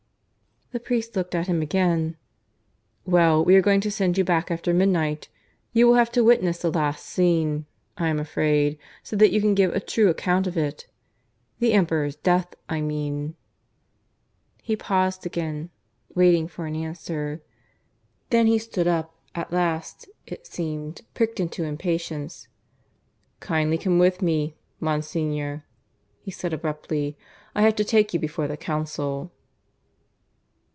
The priest looked at him again. "Well, we are going to send you back after midnight. You will have to witness the last scene, I am afraid, so that you can give a true account of it the Emperor's death, I mean." He paused again, waiting for an answer. Then he stood up, at last, it seemed, pricked into impatience. "Kindly come with me, Monsignor," he said abruptly. "I have to take you before the Council."